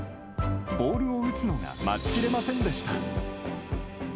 ボールを打つのが待ちきれませんでした。